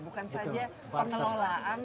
bukan saja pengelolaan